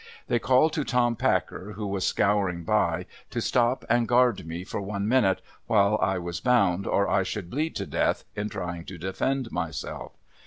They called to Tom Packer, who was scouring by, to stop and guard me for one minute, while I was bound, or I should bleed to death in trying to defend myself.